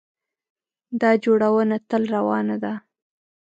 دا جوړونه تل روانه ده.